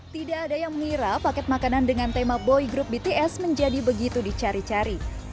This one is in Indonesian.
tidak ada yang mengira paket makanan dengan tema boy group bts menjadi begitu dicari cari